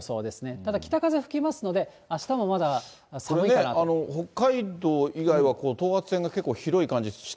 ただ、北風吹きますので、これね、北海道以外は等圧線が結構広い感じして、